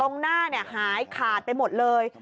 ตรงหน้าหายขาดไปหมดเลย